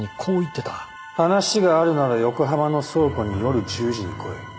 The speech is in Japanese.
話があるなら横浜の倉庫に夜１０時に来い。